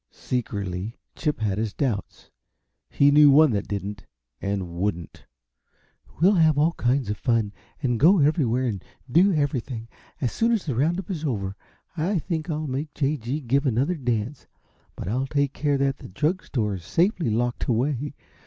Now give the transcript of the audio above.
Secretly, Chip had his doubts. He knew one that didn't and wouldn't. "We'll have all kinds of fun, and go everywhere and do everything. As soon as the round up is over, I think I'll make J. G. give another dance, but I'll take care that the drug store is safely locked away.